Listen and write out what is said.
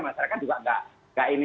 masyarakat juga tidak ini